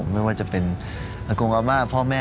ไม่ว่าจะเป็นอากุงอาม่าพ่อแม่อาโกงอะไรอย่างนี้